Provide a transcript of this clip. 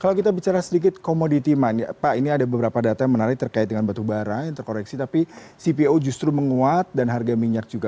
kalau kita bicara sedikit komoditi pak ini ada beberapa data yang menarik terkait dengan batubara yang terkoreksi tapi cpo justru menguat dan harga minyak juga